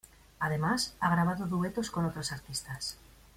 Además, ha grabado duetos con otros artistas.